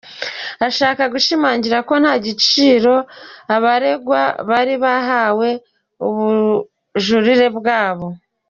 Ashaka gushimangira ko nta gaciro abaregwa bandi bahaye ubujurire bwabo.